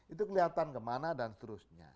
itu kelihatan kemana dan seterusnya